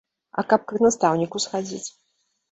А каб к настаўніку схадзіць?